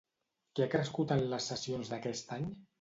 Què ha crescut en les sessions d'aquest any?